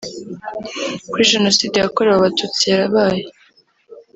kuba Jenoside yakorewe Abatutsi yarabaye